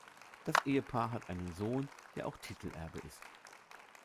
Das Ehepaar hat einen Sohn, der auch Titelerbe ist.